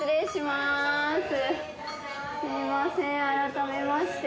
すみません改めまして。